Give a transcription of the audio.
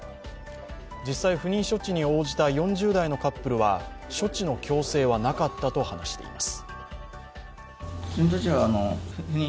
実際、不妊処置に応じた４０代カップルは処置の強制はなかったと話しています。